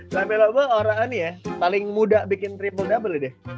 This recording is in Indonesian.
lame lobo orang aneh ya paling muda bikin triple double deh